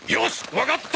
わかった！